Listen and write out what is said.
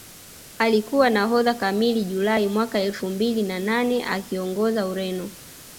Alikuwa nahodha kamili Julai mwaka elfu mbili na nane akiongoza Ureno